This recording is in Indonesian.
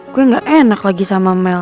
gue gak enak lagi sama mel